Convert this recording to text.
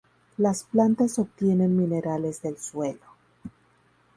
Las plantas obtienen minerales del suelo.